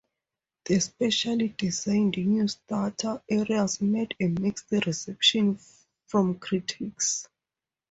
The specially designed new starter areas met a mixed reception from critics.